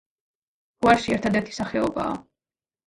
გვარში ერთადერთი სახეობაა.